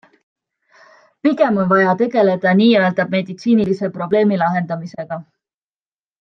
Pigem on vaja tegeleda nii-öelda meditsiinilise probleemi lahendamisega.